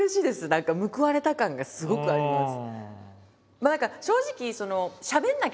何か報われた感がすごくあります。